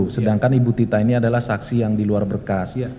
sedangkan ibu tita ini adalah saksi yang di luar berkas